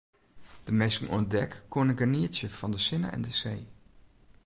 De minsken oan dek koene genietsje fan de sinne en de see.